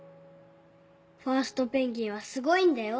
ファーストペンギンはすごいんだよ。